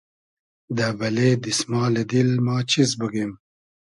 دۂ بئلې دیسمالی دیل ما چیز بوگیم